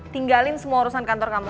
tinggalin semua urusan kantor kantor